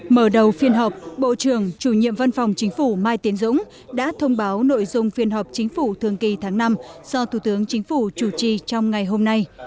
mở đầu phiên họp bộ trưởng chủ nhiệm văn phòng chính phủ mai tiến dũng đã thông báo nội dung phiên họp chính phủ thường kỳ tháng năm do thủ tướng chính phủ chủ trì trong ngày hôm nay